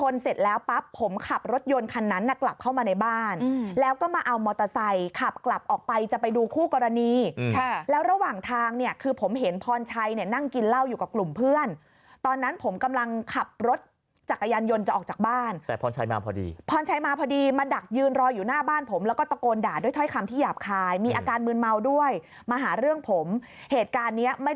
นั้นนะกลับเข้ามาในบ้านแล้วก็มาเอามอเตอร์ไซค์ขับกลับออกไปจะไปดูคู่กรณีแล้วระหว่างทางเนี่ยคือผมเห็นพรชัยเนี่ยนั่งกินเหล้าอยู่กับกลุ่มเพื่อนตอนนั้นผมกำลังขับรถจักรยานยนต์จะออกจากบ้านแต่พรชัยมาพอดีพรชัยมาพอดีมาดักยืนรออยู่หน้าบ้านผมแล้วก็ตะโกนด่าด้วยถ้อยคำที่หยาบคายมีอาการมืนเมา